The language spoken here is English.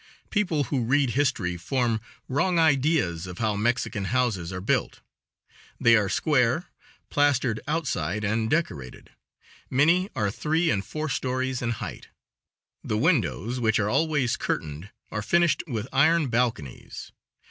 People who read history form wrong ideas of how Mexican houses are built. They are square, plastered outside and decorated. Many are three and four stories in height. The windows, which are always curtained, are finished with iron balconies.